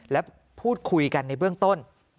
และพูดคุยกันในเบื้องต้น